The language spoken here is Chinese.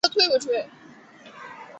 滇糙叶树为榆科糙叶树属的植物。